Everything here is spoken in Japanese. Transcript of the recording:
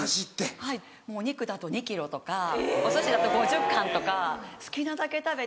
はいお肉だと２ｋｇとかお寿司だと５０貫とか好きなだけ食べて。